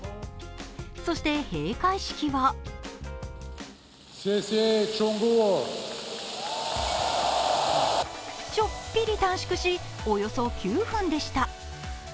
そして閉会式はちょっぴり短縮しおよそ９分でした。